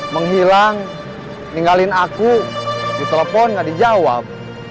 menghilang ninggalin aku ditelepon gak dijawab